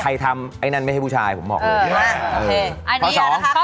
ใครทำไอ้นั่นไม่ให้ผู้ชายผมบอกโลก